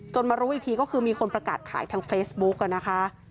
มารู้อีกทีก็คือมีคนประกาศขายทางเฟซบุ๊กนะคะ